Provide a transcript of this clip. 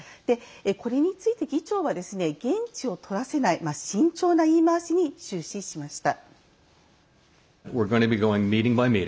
これについて議長は言質をとらせない慎重な言い回しに終始しました。